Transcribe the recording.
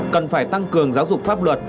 cần phải tăng cường giáo dục pháp luật